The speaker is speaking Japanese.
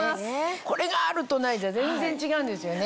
これがあるとないじゃ全然違うんですよね。